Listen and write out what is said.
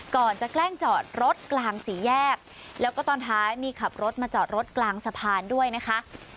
ก่อนจะแกล้งจอดรถกลางสี่แยกแล้วก็ตอนท้ายมีขับรถมาจอดรถกลางสะพานด้วยนะคะ